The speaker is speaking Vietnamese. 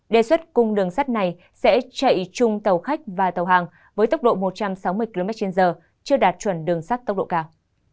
đề xuất cung đường sắt này sẽ chạy chung tàu khách và tàu hàng với tốc độ một trăm sáu mươi km trên giờ chưa đạt chuẩn đường sắt tốc độ cao